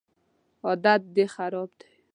عادت دي خراب دی